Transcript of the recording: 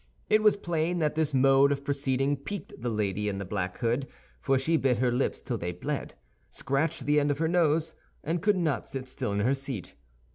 It was plain that this mode of proceeding piqued the lady in the black hood, for she bit her lips till they bled, scratched the end of her nose, and could not sit still in her seat.